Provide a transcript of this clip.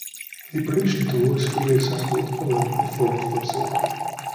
The prediction tool is freely accessible to public in the form of web server.